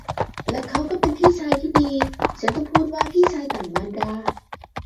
และเขาก็เป็นพี่ชายที่ดี - ฉันต้องพูดว่าพี่ชายต่างมารดา